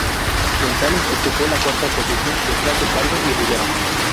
González ocupó la cuarta posición detrás de Pardo y Rivera.